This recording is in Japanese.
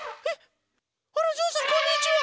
あらぞうさんこんにちは。